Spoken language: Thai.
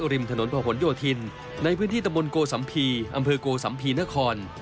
ริมถนนพโยธินในพื้นที่ตำรวจโกสัมพีอำเภอโกสัมพีนคร